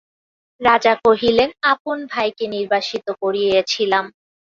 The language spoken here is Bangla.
রাজা কহিলেন, আপন ভাইকে নির্বাসিত করিয়াছিলাম।